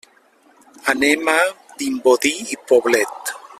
Anem a Vimbodí i Poblet.